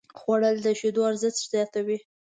خوړل د شیدو ارزښت زیاتوي